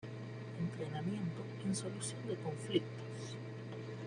Entrenamiento en solución de conflictos